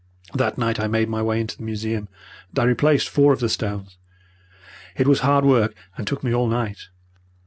"That night I made my way into the museum, and I replaced four of the stones. It was hard work, and took me all night.